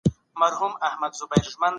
ایا ناول د ټولني رښتينی عکس وي؟